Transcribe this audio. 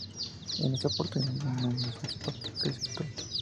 En esa oportunidad, ganó las ocho partidas que disputo.